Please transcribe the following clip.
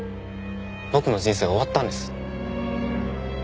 僕の人生は終わったんです。